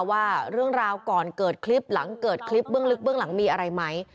ว่าเรื่องราวก่อนเกิดคลิปหลังเกิดคลิปเบื้องลึกเบื้องหลังมีอะไรไหม